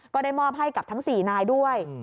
ก็ได้มอบให้กับทั้ง๔นายด้วย